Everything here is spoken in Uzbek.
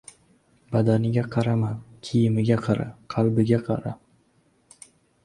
• Badaniga qarama, kiyimiga qara, qalbiga qara.